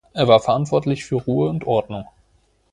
Er war verantwortlich für Ruhe und Ordnung.